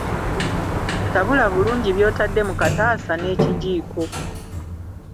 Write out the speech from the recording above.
Tabula bulungi byotadde mu kataasa n'ekijiiko.